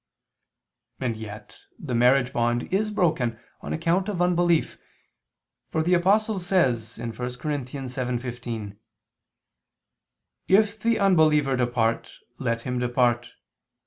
And yet the marriage bond is broken on account of unbelief: for the Apostle says (1 Cor. 7:15): "If the unbeliever depart, let him depart.